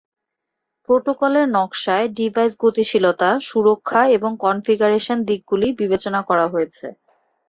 প্রোটোকলের নকশায় ডিভাইস গতিশীলতা, সুরক্ষা এবং কনফিগারেশন দিকগুলি বিবেচনা করা হয়েছে।